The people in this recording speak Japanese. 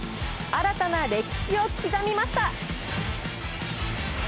新たな歴史を刻みました。